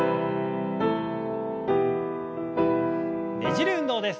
ねじる運動です。